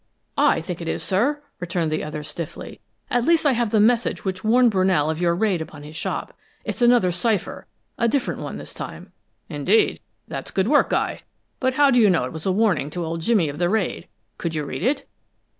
"I think it is, sir," returned the other, stiffly. "At least I have the message which warned Brunell of your raid upon his shop. It's another cipher, a different one this time." "Indeed? That's good work, Guy. But how did you know it was a warning to old Jimmy of the raid? Could you read it?"